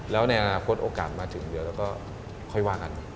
แล้วในอนาคตโอกาสมาถึงเดี๋ยวเราก็ค่อยว่ากัน